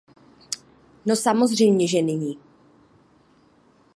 No, samozřejmě že není.